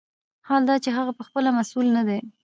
حال دا چې هغه پخپله مسوول نه دی.